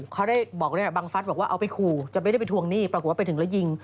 เขาได้บอกบังฟัสบอกว่าเอาไปขู่จะไม่ได้ไปทวงหนี้ปรากฏว่าไปถึงแล้วยิง